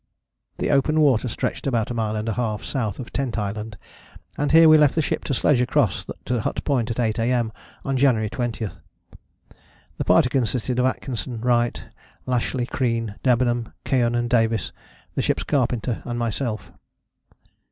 The open water stretched about a mile and a half south of Tent Island, and here we left the ship to sledge the cross to Hut Point at 8 A.M. on January 20. The party consisted of Atkinson, Wright, Lashly, Crean, Debenham, Keohane and Davies, the ship's carpenter and myself.